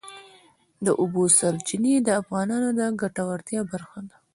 د اوبو سرچینې د افغانانو د ګټورتیا برخه ده.